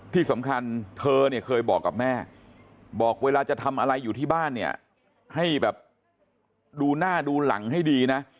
ที่สำคัญเธอเนี่ยเคยบอกกับแม่บอกเวลาจะทำอะไรอยู่ที่บ้านเนี่ยให้แบบดูหน้าดูหลังให้ดีนะ